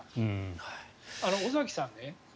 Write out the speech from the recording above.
尾崎さん